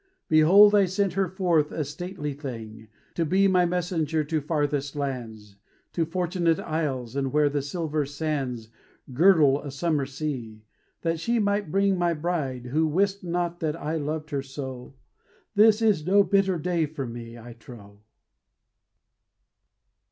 Behold, I sent her forth a stately thing, To be my messenger to farthest lands, To Fortunate Isles, and where the silver sands Girdle a summer sea; that she might bring My bride, who wist not that I loved her so This is no bitter day for me, I trow!"